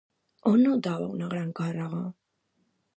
On notava una gran càrrega?